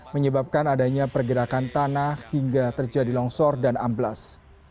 menyebabkan adanya pergerakan tanah hingga terjadi longsor dan amblas